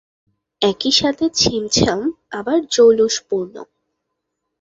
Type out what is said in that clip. একই সাথে ছিমছাম আবার জৌলুসপূর্ণ।